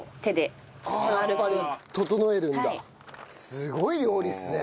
すごい料理ですね